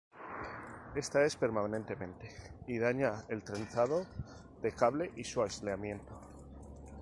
Ésta es permanente y daña el trenzado de cable y su aislamiento.